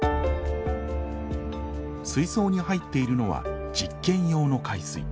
水槽に入っているのは実験用の海水。